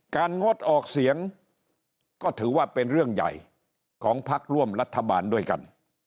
งดออกเสียงก็ถือว่าเป็นเรื่องใหญ่ของพักร่วมรัฐบาลด้วยกัน